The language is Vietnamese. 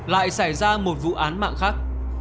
lại xảy ra một vụ án mạng khác